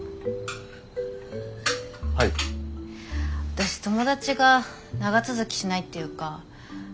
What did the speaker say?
私友達が長続きしないっていうか。